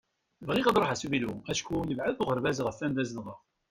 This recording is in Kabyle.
Bɣiɣ ad ruḥeɣ s uvilu acku yebεed uɣerbaz ɣef anda zedɣeɣ.